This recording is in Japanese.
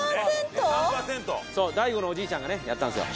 「ＤＡＩＧＯのおじいちゃんがねやったんですよ」